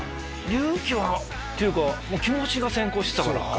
勇気っていうかもう気持ちが先行してたからそうか